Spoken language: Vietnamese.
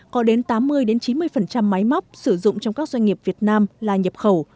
có đến tám mươi chín mươi máy móc sử dụng trong các doanh nghiệp việt nam là nhập khẩu